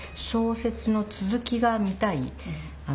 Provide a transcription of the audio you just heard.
小説の続きが見たい。